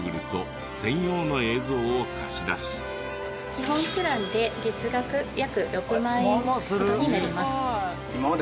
企業に基本プランで月額約６万円ほどになります。